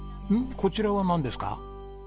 こちらはなんですか？